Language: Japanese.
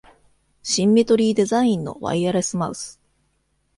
シンメトリーデザインのワイヤレスマウス